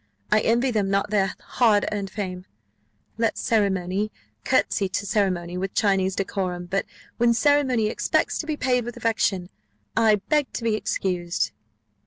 I envy them not their hard earned fame. Let ceremony curtsy to ceremony with Chinese decorum; but, when ceremony expects to be paid with affection, I beg to be excused."